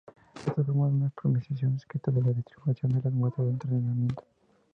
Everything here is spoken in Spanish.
Estos forman una aproximación discreta de la distribución de las muestras de entrenamiento.